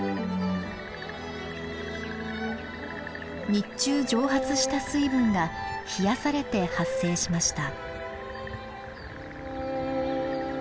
日中蒸発した水分が冷やされて発生しました。